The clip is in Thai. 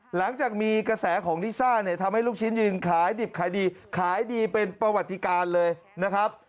หลังจากมีกระแสของลิซ่าเนี่ยทำให้ลูกชิ้นยืนขายดิบขายดีขายดีเป็นประวัติการเลยนะครับ